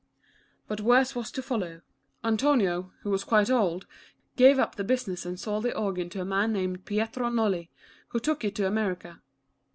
But worse was to follow. Antonio, who was 84 Lucia, the Organ Maiden. quite old, gave up the business and sold the organ to a man named Pietro Nolli, who took it to America.